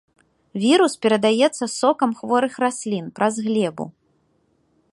Вірус перадаецца з сокам хворых раслін, праз глебу.